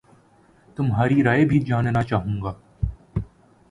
تمہاری رائے بھی جاننا چاہوں گا